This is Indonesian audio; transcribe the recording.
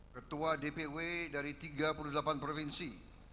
ketua dpw dari tiga puluh delapan provinsi